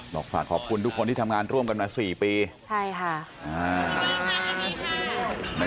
บอกฝากขอบคุณทุกคนที่ทำงานร่วมกันมา๔ปี